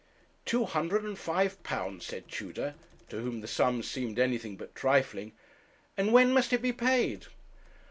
'Two hundred and five pounds,' said Tudor, to whom the sum seemed anything but trifling; 'and when must it be paid?'